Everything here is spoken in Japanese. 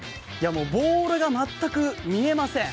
ボールが全く見えません。